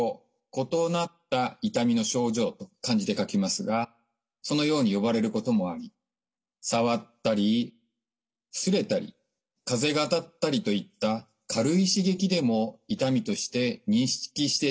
異なった痛みの症状と漢字で書きますがそのように呼ばれることもあり触ったり擦れたり風が当たったりといった軽い刺激でも痛みとして認識してしまう状態なんです。